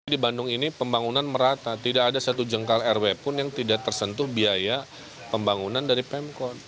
di bandung ini pembangunan merata tidak ada satu jengkal rw pun yang tidak tersentuh biaya pembangunan dari pemkot